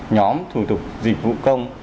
nhóm thủ tục dịch vụ công